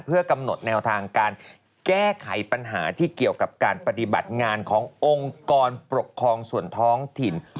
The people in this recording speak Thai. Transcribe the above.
เพื่อกำหนดแนวทางการแก้ไขปัญหาที่เกี่ยวกับการปฏิบัติงานขององค์กรปกครองส่วนท้องถิ่น